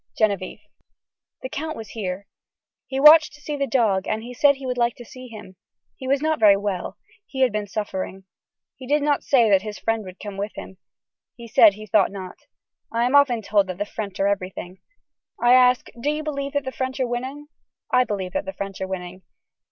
(Genevieve.) The count was here. He wanted to see the dog and he said he would like to see him. He was not very well. He had been suffering. He did not say that his friend would come with him. He said he thought not. I am often told that the french are everything. I ask do you believe that the french are winning. I believe that the french are winning.